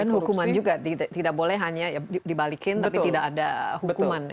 dan hukuman juga tidak boleh hanya dibalikin tapi tidak ada hukuman